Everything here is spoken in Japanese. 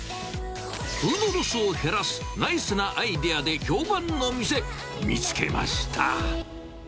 フードロスを減らすナイスなアイデアで評判の店、見つけました。